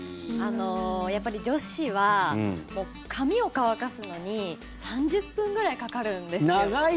やっぱり女子は髪を乾かすのに３０分ぐらいかかるんですよ。